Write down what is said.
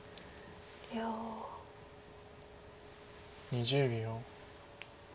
２０秒。